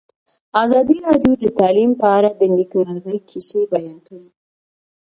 ازادي راډیو د تعلیم په اړه د نېکمرغۍ کیسې بیان کړې.